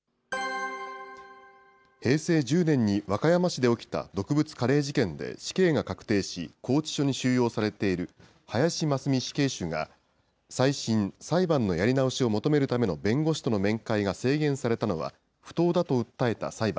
平成１０年に和歌山市で起きた毒物カレー事件で死刑が確定し、拘置所に収容されている林真須美死刑囚が、最新・裁判のやり直しを求めるための弁護士との面会が制限されたのは、不当だと訴えた裁判。